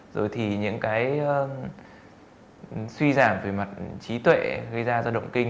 rồi thì những suy giảm về mặt trí tuệ gây ra cho động kinh